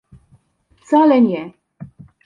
Wcale nie.